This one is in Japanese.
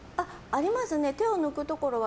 ありますね、手を抜くところは。